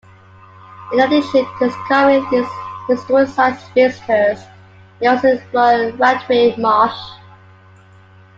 In addition to discovering these historic sites, visitors may also explore Rattray Marsh.